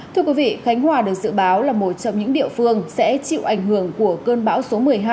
thưa quý vị khánh hòa được dự báo là một trong những địa phương sẽ chịu ảnh hưởng của cơn bão số một mươi hai